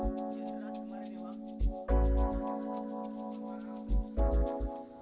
perubahan iklim di laut timika